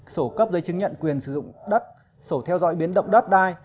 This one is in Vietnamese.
sổ cấp giấy chứng nhận quyền sử dụng đất sổ theo dõi biến động đất đai